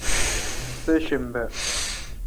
سہ شنبہ